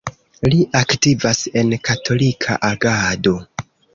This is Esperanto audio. Li aktivas en Katolika Agado.